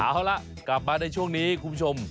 เอาล่ะกลับมาในช่วงนี้คุณผู้ชม